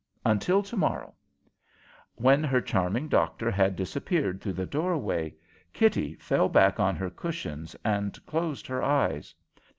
Until to morrow!" When her charming doctor had disappeared through the doorway, Kitty fell back on her cushions and closed her eyes.